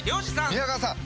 宮川さん